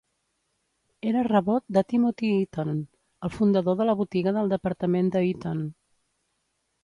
Era rebot de Timothy Eaton, el fundador de la botiga del departament de Eaton.